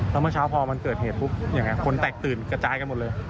แล้วเมื่อเช้าพอมันเกิดเหตุปุ๊บยังไงคนแตกตื่นกระจายกันหมดเลย